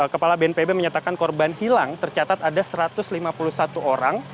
kepala bnpb menyatakan korban hilang tercatat ada satu ratus lima puluh satu orang